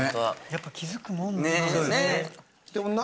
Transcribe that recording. やっぱ気付くもんなんすね。